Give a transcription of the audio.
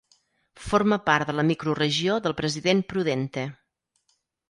Forma part de la microregió del president Prudente.